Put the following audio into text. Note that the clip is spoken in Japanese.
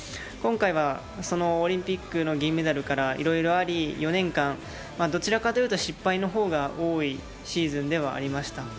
今回はそのオリンピックの銀メダルからいろいろあり、４年間どちらかというと失敗ほうが多いシーズンではありました。